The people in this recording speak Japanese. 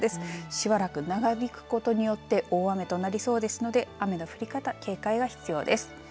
しばらく長引くことによって大雨となりそうですので雨の降り方、警戒が必要です。